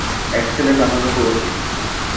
এক ছেলে কানাডা প্রবাসী।